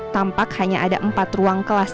tampak hanya ada empat ruang kelas